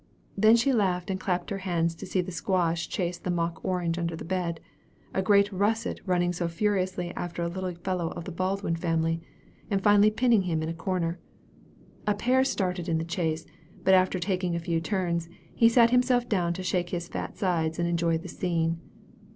Then she laughed and clapped her hands to see the squash chase the mock orange under the bed, a great russet running so furiously after a little fellow of the Baldwin family, and finally pinning him in a corner. A pear started in the chase; but after taking a few turns, he sat himself down to shake his fat sides and enjoy the scene.